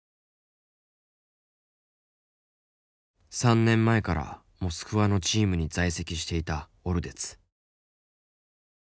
３年前からモスクワのチームに在籍していたオルデツ。